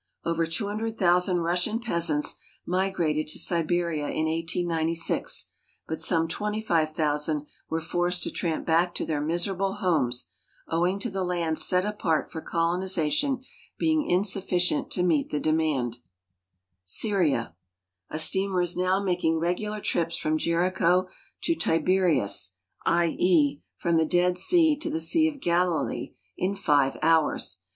96 GEOGRAPHIC NOTES Over 200,000 Rnssian peasants migrated to Siberia in 1896, but some 25,000 were forced to tramp back to tbeir miserable homes, owing to the land set apart for colonization being insufficient to meet the demand. Syria. A steamer is now making regular trips from Jericho to Tiberias— %. e., from the Dead Sea to the Sea of Galilee— in five hours.